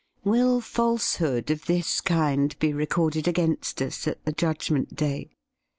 Will falsehood of this kind be recorded against us at the Judgment Day